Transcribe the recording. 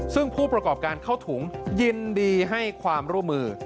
ซึ่งผู้ประกอบการเข้าถุงยินดีให้ความร่วมมือ